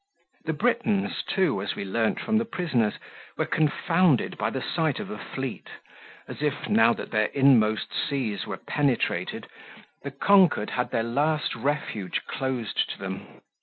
The Britons, too, as we learnt from the prisoners, were confounded by the sight of a fleet, as if, now that their inmost seas were penetrated, the conquered had their last refuge closed to them.